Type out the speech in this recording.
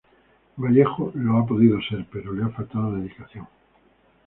Vallejo lo ha podido ser pero le ha faltado dedicación.